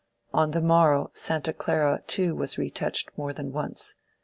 On the morrow Santa Clara too was retouched more than once.